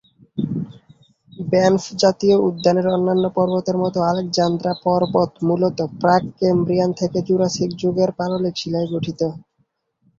Banff জাতীয় উদ্যানের অন্যান্য পর্বতের মত আলেকজান্দ্রা পর্বত মূলত প্রাক-ক্যাম্ব্রিয়ান থেকে জুরাসিক যুগের পাললিক শিলায় গঠিত।